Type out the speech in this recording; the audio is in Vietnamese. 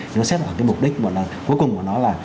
nó xét vào cái mục đích cuối cùng của nó là